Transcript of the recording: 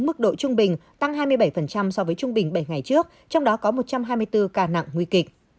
mức độ trung bình tăng hai mươi bảy so với trung bình bảy ngày trước trong đó có một trăm hai mươi bốn ca nặng nguy kịch